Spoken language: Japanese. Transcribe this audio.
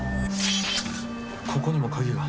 ここにも鍵が。